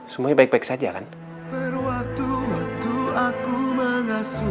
semuanya baik baik saja kan